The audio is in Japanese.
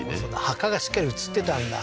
墓がしっかり写ってたんだ